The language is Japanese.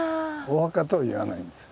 「お墓」とは言わないんです。